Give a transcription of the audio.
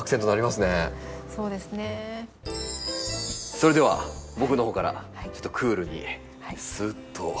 それでは僕の方からちょっとクールにスーッと。